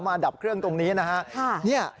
ดับเครื่องตรงนี้นะฮะ